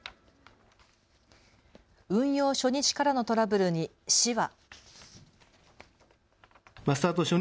運用初日からのトラブルに市は。